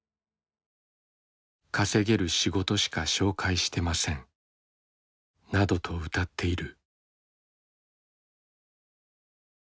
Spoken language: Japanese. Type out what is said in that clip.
「稼げる仕事しか紹介してません」などとうたっている。